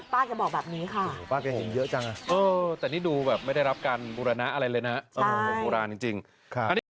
ป้าเห็นเป็น๑๐๘ครับแล้วก็๐๗๘